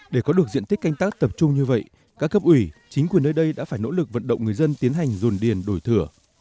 để có được diện tích canh tác tập trung như vậy các cấp ủy chính quyền nơi đây đã phải nỗ lực vận động người dân tiến hành dồn điền đổi thửa